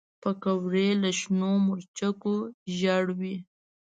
پکورې له شنو مرچو ژړوي